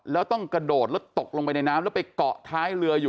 แล้วต้องกระโดดแล้วตกลงไปในน้ำแล้วไปเกาะท้ายเรืออยู่